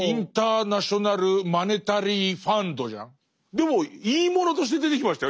でもいいものとして出てきましたよ。